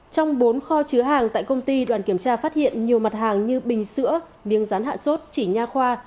trong bốn kho chứa hàng tại công ty đoàn kiểm tra phát hiện nhiều mặt hàng như bình sữa miếng rán hạ sốt chỉ nha khoa